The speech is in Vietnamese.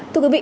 thưa quý vị